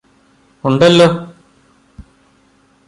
ഉണ്ടല്ലോ